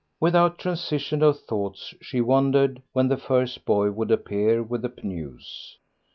Without transition of thought she wondered when the first boy would appear with the news.